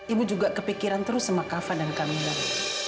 ibu juga kepikiran terus sama kava dan kamilah